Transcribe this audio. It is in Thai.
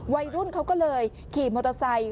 วัยรุ่นเขาก็เลยขี่มอเตอร์ไซค์